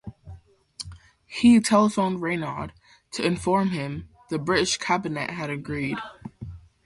He telephoned Reynaud to inform him the British Cabinet had agreed.